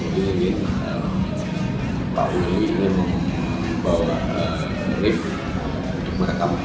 mungkin pak willy ingin membawa riff untuk merekam album di ab dua puluh satu